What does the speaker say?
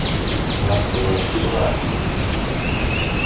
Nɛeṭṭel ɣef ccḍeḥ.